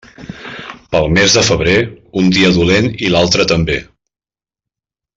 Pel mes de febrer, un dia dolent i l'altre també.